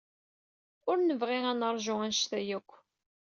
Ur nebɣi ad neṛju anect-a akk.